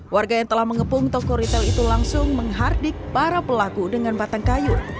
warga yang telah mengepung toko ritel itu langsung menghardik para pelaku dengan batang kayu